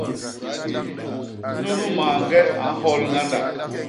Nunu mañge a nhol ñgandak.